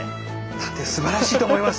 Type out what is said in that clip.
探偵すばらしいと思います！